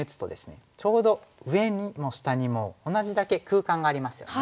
ちょうど上にも下にも同じだけ空間がありますよね。